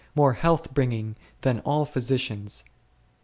47 more health bringing than all physicians